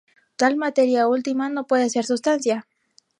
Tal "materia última" no puede ser sustancia.